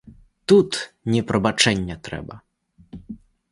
Тут не прабачэнне трэба.